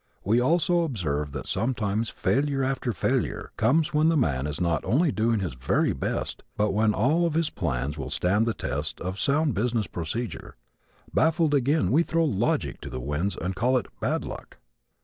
We also observe that sometimes failure after failure comes when the man is not only doing his very best but when all of his plans will stand the test of sound business procedure. Baffled again we throw logic to the winds and call it "bad luck."